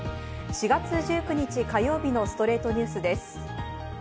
４月１９日、火曜日の『ストレイトニュース』です。